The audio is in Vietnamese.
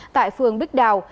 tại phường bích đào